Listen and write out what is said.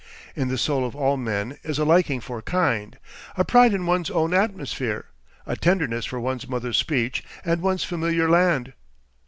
In the soul of all men is a liking for kind, a pride in one's own atmosphere, a tenderness for one's Mother speech and one's familiar land.